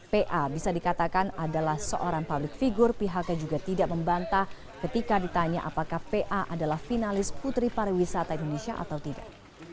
pa bisa dikatakan adalah seorang public figure pihaknya juga tidak membantah ketika ditanya apakah pa adalah finalis putri pariwisata indonesia atau tidak